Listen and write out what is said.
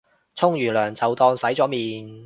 沖完涼就當係洗咗面